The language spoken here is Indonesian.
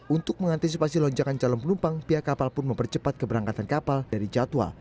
untuk mengantisipasi lonjakan calon penumpang pihak kapal pun mempercepat keberangkatan kapal dari jadwal